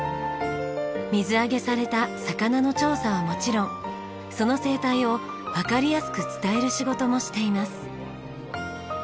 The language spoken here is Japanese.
水揚げされた魚の調査はもちろんその生態をわかりやすく伝える仕事もしています。